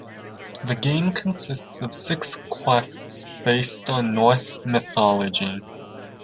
The game consists of six quests based on Norse mythology.